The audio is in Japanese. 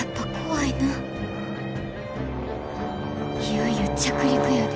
いよいよ着陸やで。